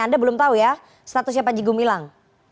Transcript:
anda belum tahu ya statusnya panjigo milang